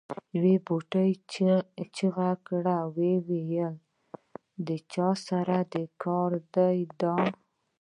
بوډا چیغه کړه ووایه د چا کار دی دا؟